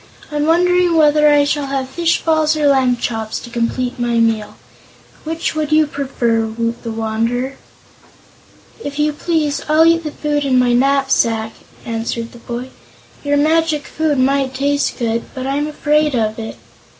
"I'm wondering whether I shall have fish balls or lamb chops to complete my meal. Which would you prefer, Woot the Wanderer?" "If you please, I'll eat the food in my knapsack," answered the boy. "Your magic food might taste good, but I'm afraid of it."